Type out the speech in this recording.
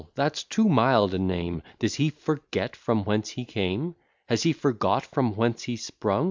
that's too mild a name; Does he forget from whence he came? Has he forgot from whence he sprung?